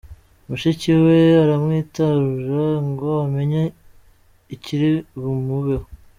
Mushiki we aramwitarura ngo amenye ikiri bumubeho.